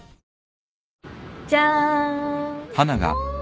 じゃーん。